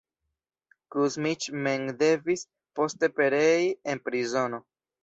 Kuzmiĉ mem devis poste perei en prizono.